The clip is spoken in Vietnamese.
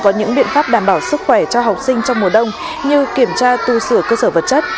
có những biện pháp đảm bảo sức khỏe cho học sinh trong mùa đông như kiểm tra tu sửa cơ sở vật chất